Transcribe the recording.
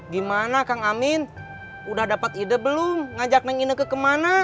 gimana kang amin udah dapet ide belum ngajak neng ineke kemana